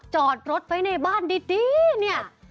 จอดรถไว้ในบ้านดีเนี่ย